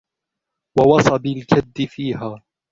وَوَصَبِ الْكَدِّ فِيهَا